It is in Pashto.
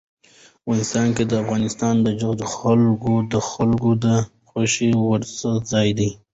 افغانستان کې د افغانستان جلکو د خلکو د خوښې وړ ځای دی.